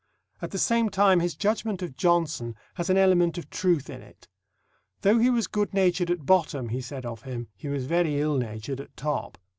At the same time his judgment of Johnson has an element of truth in it. "Though he was good natured at bottom," he said of him, "he was very ill natured at top."